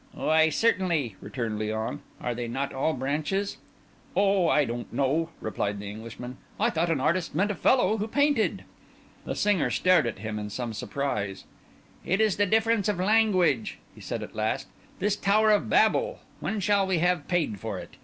"Why, certainly!" returned Léon. "Are they not all branches?" "Oh! I didn't know," replied the Englishman. "I thought an artist meant a fellow who painted." The singer stared at him in some surprise. "It is the difference of language," he said at last. "This Tower of Babel, when shall we have paid for it?